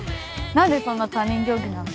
何でそんな他人行儀なの？